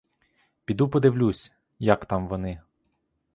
Піду подивлюсь, як там вони.